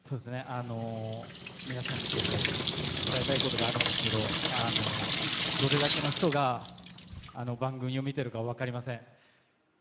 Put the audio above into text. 皆さんに伝えたいことがあるんですけど、どれだけの人が番組を見てるか分かりません。